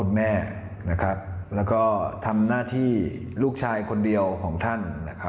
และทำหน้าที่ลูกชายคนเดียวของท่าน